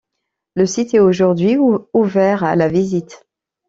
Le site est aujourd'hui ouvert à la visite.